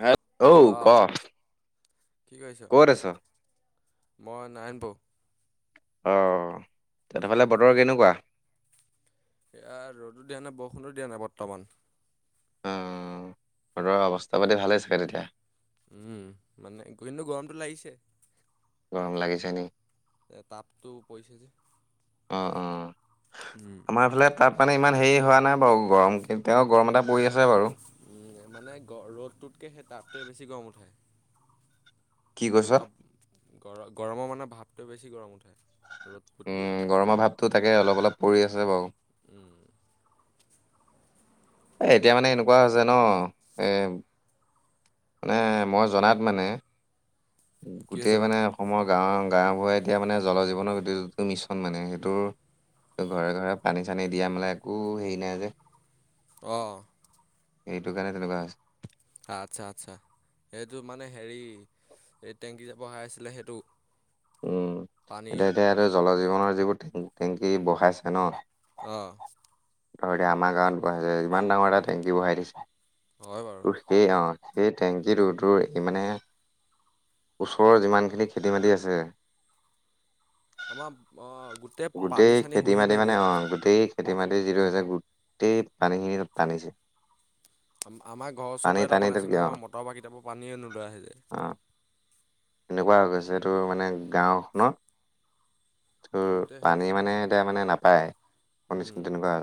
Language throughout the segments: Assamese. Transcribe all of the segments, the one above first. হেত ঔ ক? আহ কি কৰিছ? ক'ত আছ মই নাৰায়ণপুৰ। অ, তাতে ফালে বতৰ কেনেকুৱা? সেয়া ৰ'দো দিয়া নাই, বৰষুণৰ দিয়া নাই বৰ্তমান। উম, ৰ'দৰ অৱস্থা পাতি ভালেই চাগে তেতিয়া। উম, মানে কিন্তু গৰমটো লাগিছে। গৰম লাগিছে নি? এ তাপটো পৰিছে যে। অ', অ', উম, আমাৰ এইফালে তাব মানে ইমান হেৰি হোৱা নাই বাৰু। গৰম এতিয়াও গৰম মানে পৰি আছে বাৰু। উম, মানে গ ৰ'দটোতকৈ সেই টাপটোৱে বেছি গৰম উঠে। কি কৈছ পূৰা গ গৰমৰ মানে ভাৱটোৱে বেছি গৰম উঠে। উম, গৰমৰ ভাৱতটো তাকে অলপ-অলপ পৰি আছে বাৰু। উম, এ এতিয়া মানে এনেকুৱা হৈছে ন এ মানে মই জনাত মানে, কি গোটেই হৈছে বা মানে অসমৰ গাঁৱৰ গাঁওবুঢ়া এতিয়া মানে জল জীৱনৰ য যিটো মিছন মানে সেইটোৰ ত ঘৰে ঘৰে পানী চানী দিয়া মালা একো হেৰি নাই যে। অহ। সেইটো কাৰণে তেনেকুৱা হৈছ- আচ্ছা আচ্ছা, এইটো মানে হেৰি এই টেংকী যে বহাই আছিলে সেইটো? উম পানীৰ এতিয়া এতিয়া ইতে জল জীৱনৰ যিবোৰ টেংকী বহাইছে ন। অহ। ধৰ এতিয়া আমাৰ গাঁৱত বহাই যে ইমান ডাঙৰ এটা টেংকী বঢ়াই দিছে। হয় বাৰু। তোৰ সেই অ সেই টেংকীটো তোৰ মানে ওচৰৰ যিমানখিনি খেতি মাটি আছে যে আমাপ অ গোট- গোটেই খেতি মাটি মানে অ গোটেই খেতি মাটি যিটো হৈছে, গোটেই পানীখিনি টানিছে- আমাৰ ঘৰ পানী ওচৰতো এটা টানি তাত বনাইছে অ নহয় আমাৰ অ মটৰ বা কেতিয়াবা পৰা পানীয়ে নোলোৱা হৈ যায়। এনেকুৱা হৈ গৈছে এইটো মানে গাঁওখনত তোৰ গোটেই সেই পানী মানে এতিয়া মানে নাপায় শুনিছো উম, তেনেকুৱা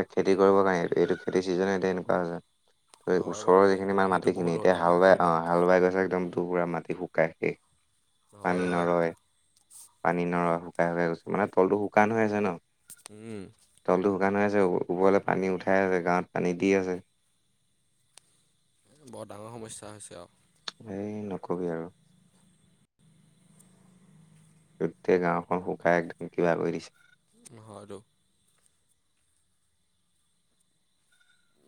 এ খেতি কৰিব কাৰণে এইটো খেতি চিজনে এনেকুৱা হৈছে। এ হয় বাৰু ওচৰৰ দেই সেইটো যিখিনি মান সেইটো বহুত মাটিখিনি এতিয়া ডাঙৰ হাল বাই অসুবিধা অহ হাল বাই গৈছে একদম দুবুৰা মাট- শুকাই শেষ, হয় পানী হয় নৰয় পানী নৰ- শুকাই শুকাই গৈছে মানে তলটো শুকান হৈ আছে ন। উম। তলটো শুকান হৈ আছে ওপৰলৈ পানী উঠাই আছে গাঁৱত পানী দি আছে। বৰ ডাঙৰ সমস্যা হৈছে আও। এই নকবি আৰু। গোটেই গাঁওখন শুকাই একদম কিবা কৰি দিছে। উম হৈ তো।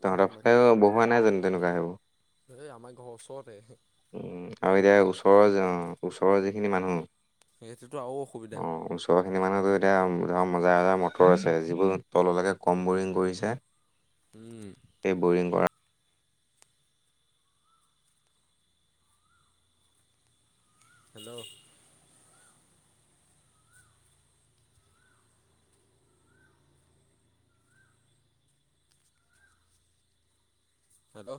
তহত বাকী ফালেও বহোৱা নাই জানো তেনেকুৱা সেইবো এই আমাৰ ঘৰৰ ওচৰতে হে। উম আমি এতিয়া ওচৰৰ যাওঁ ওচৰৰ যিখিনি মানুহ সেটোতো আৰু অসুবিধা। [unintelligible] এতিয়া ধৰ মজাৰ আজাৰ মটৰ আছে যিবোৰ তললেকে কম বৰিং কৰিছে। উম। এই বৰিং কৰা হেল্ল'। হেল্ল'।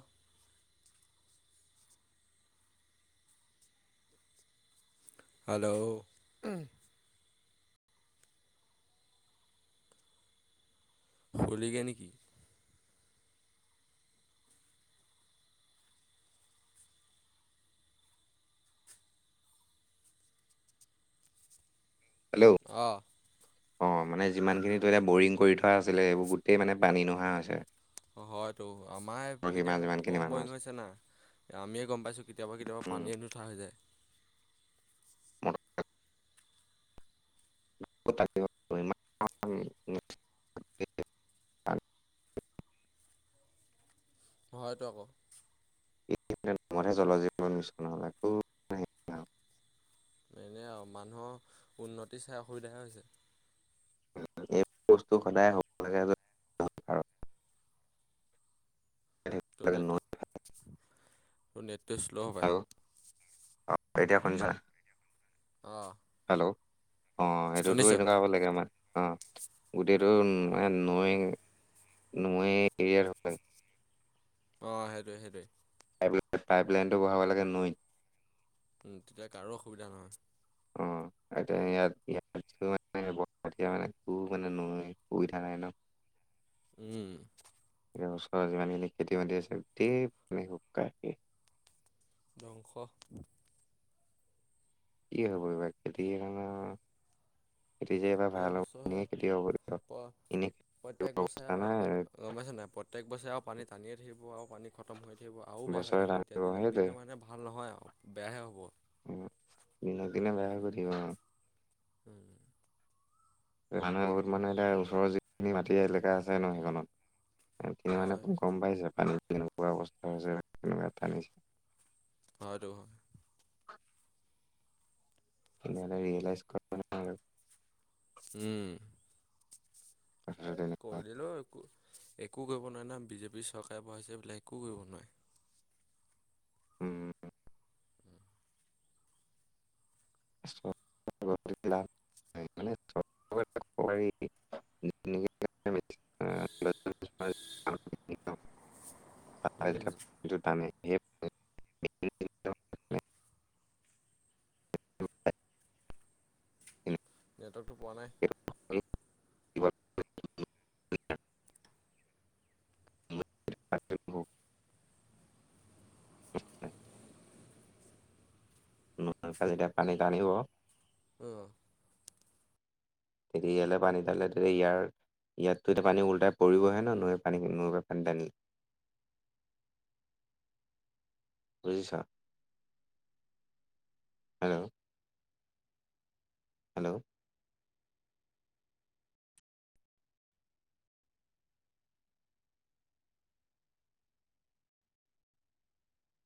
হেল্ল' উহ। শুলিগে নেকি? হেল্ল' অ। অ মানে যিমানখিনিতো এতিয়া বৰিং কৰি থোৱা আছিলে এইবোৰ গোটেই মানে পানী নহা হৈছে। অ হয়তো আমাৰ আৰু সীমা এতিয়া যিমানখিনি কম মানুহ বৰিং আছে হৈছে না। আমিয়ে গম পাইছোঁ কেতিয়াবা কেতিয়াবা উম, পানীয়ে নুঠা হৈ যায়। [unintelligible] হয়টো আক। [unintelligible] মতহে জল জীৱন মিছন নহ'ল একো এনেই আৰু মানুহৰ উন্নতি চাই অসুবিধা হে হৈছে। এইৰ বস্তু সদায় হ'ব লাগে য'ত [unintelligible] টোৰ' নেটৱক, তোৰ নেটটো শ্ল' হ'পাই? অ, এতিয়া শুনিছা? অ', হেল্ল', অ, সেইটোতো এনেকুৱা হ'ব লাগে আমাৰ অ। গোটেইটো মানে নৈয়ে - নৈয়ে এৰিয়াৰ হয়। অ, সেইটোৱেই -সেইটোৱেই। পাইপ -পাইপ লাইনটো বহাব লাগে নৈ। উম, তেতিয়া কাৰো অসুবিধা নহয়। অ, এতিয়া ইয়াত- ইয়াত মানে [unintelligible] উম, সুবিধা নাই ন'। উম, এতিয়া ওচৰে যিমানখিনি খেতি- মাতি আছে গোটেই মানে শুকাই শেষ। ধ্বংস। কি হ'ব এইবাৰ খেতিয়ে [unintelligible] খেতি যে এবাৰ ভাল হ'ব এইবছৰহে প [unintelligible] প্ৰত্যেক বছৰে অৱস্থা নাই। গম পাইছা নাই প্ৰত্যেক বছৰে আও পানী টানিয়ে থাকিব আও পানী খতম হৈ থাকিব আও বেয়া হৈ বছৰে যাব ধান এতিয়া দিব দিনক সেইটোৱে। দিনে মানে ভাল নহয় আও বেয়াহে হ'ব। [unintelligible] দিনক দিনে বেয়া হৈ গৈ থাকিব আও। উম, মানে বহুত মানে এতিয়া ওচৰৰ যিখিনি মাটি এলেকা আছে ন' সেইখনত এতিয়া মানে হয় [unintelligible] গম পাইছে পানীত কেনেকুৱা অৱস্থা হৈছে কেনেকুৱা টানিছে। অ, হেতু হয়। মানে ৰিয়েলাইজ ক'ত মানে উম, কথাটো এই তেনেকুৱা কৰি দিলোঁ একো -একো কৰিব নোৱাৰে নহয় বিজেপিৰ চৰকাৰে বঢ়াইছে বোলে একো কৰিব নোৱাৰে। উম [unintelligible] [unintelligible] [unintelligible] সেই মানে [unintelligible] [unintelligible] [unintelligible] উম, জুতা [unintelligible] [unintelligible] [unintelligible] নেটৱৰ্কটো পোৱা নাই। [unintelligible] [unintelligible] [unintelligible] [unintelligible] টানিব অহ', ৰীয়েলে পানীতানলে টোহে ইয়াৰ ইয়াততো এতিয়া পানীওলটাই পৰিবহে ন' নৈ পানী খিনি নৈ পা পানী টানি। বুজিছা? Hello, hello,